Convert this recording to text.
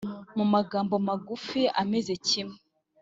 Mumagambo magufi ameze kimwe